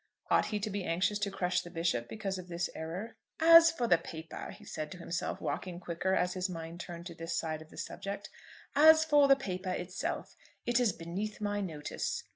Ought he to be anxious to crush the Bishop because of this error? "As for the paper," he said to himself, walking quicker as his mind turned to this side of the subject, "as for the paper itself, it is beneath my notice.